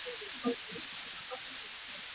Hlei na kai kho maw?